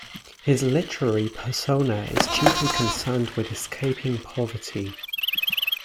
His literary persona is chiefly concerned with escaping poverty.